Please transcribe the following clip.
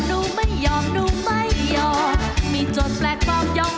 หนูไม่ยอมหนูไม่ยอมรีบขวาพื้น